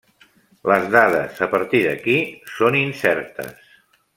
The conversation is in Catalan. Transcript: Les dades a partir d'aquí són incertes.